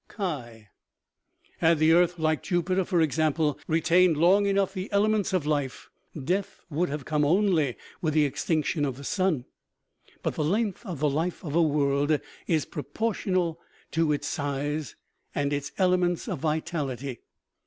Had the earth, like Jupiter, for example, retained long enough the elements of life, death would have come only with the extinction of the sun. But the length of the life of a world is proportional to its size and its elements of vitality.